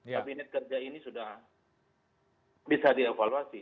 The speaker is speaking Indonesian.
kabinet kerja ini sudah bisa dievaluasi